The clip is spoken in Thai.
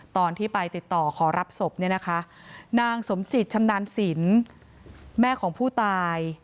ตอนที่ไปติดต่อขอรับศพเนี่ยนะคะนางสมจิตชำนาญสินแม่ของผู้ตาย